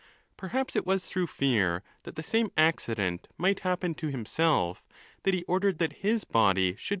Perhaps it was through fear that the same accident might happen to himself, that he ordered that his body should.